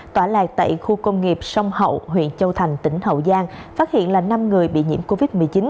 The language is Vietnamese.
tỏa lạc tại khu công nghiệp sông hậu huyện châu thành tỉnh hậu giang phát hiện là năm người bị nhiễm covid một mươi chín